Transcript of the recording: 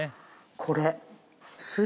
これ。